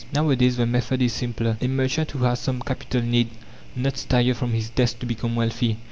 Nowadays the method is simpler. A merchant who has some capital need not stir from his desk to become wealthy.